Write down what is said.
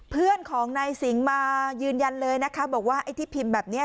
เพื่อนของนายสิงห์มายืนยันเลยนะคะบอกว่าไอ้ที่พิมพ์แบบนี้